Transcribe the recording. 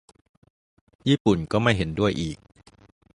ญี่ปุ่นก็ไม่เห็นด้วยอีก